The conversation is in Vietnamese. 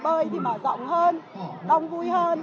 bơi thì mở rộng hơn đông vui hơn